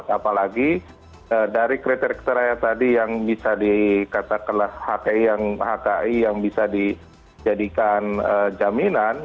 apalagi dari kriteria kriteria tadi yang bisa dikatakan hki yang bisa dijadikan jaminan